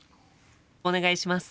お願いします。